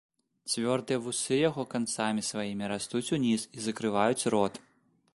Цвёрдыя вусы яго канцамі сваімі растуць уніз і закрываюць рот.